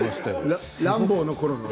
「ランボー」のころね。